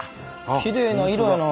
きれいな色やな。